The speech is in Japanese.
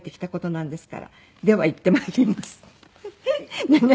「では行ってまいります」でね。